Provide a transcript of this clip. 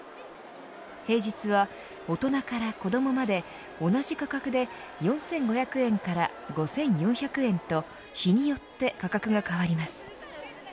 平日は大人から子どもまで同じ価格で４５００円から５４００円と、日によって価格が変わります。